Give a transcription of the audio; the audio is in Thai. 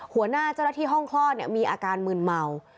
หัวหน้าเจ้าหน้าที่ห้องคลอดมีอาการมืนเมา